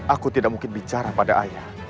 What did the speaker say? aku tidak mungkin bicara pada ayah